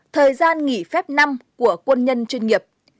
thời gian nghỉ phép năm của quân nhân chuyên nghiệp